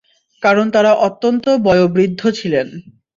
কারণ তারা অত্যন্ত বয়োবৃদ্ধ ছিলেন।